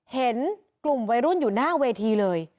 เห็นกลุ่มวัยรุ่นอยู่หน้าเวทีเลย